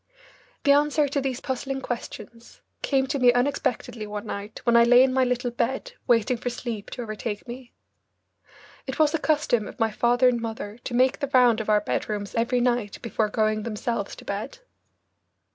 The answer to these puzzling questions came to me unexpectedly one night when I lay in my little bed waiting for sleep to overtake me. It was a custom of my father and mother to make the round of our bedrooms every night before going themselves to bed.